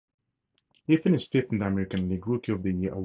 He finished fifth in the American League Rookie of the Year Award voting.